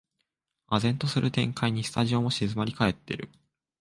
唖然とする展開にスタジオも静まりかえってる